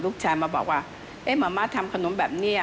ลูกชายมาบอกว่าเอ๊ะมะม้าทำขนมแบบนี้